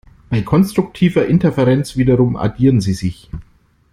Bei konstruktiver Interferenz wiederum addieren sie sich.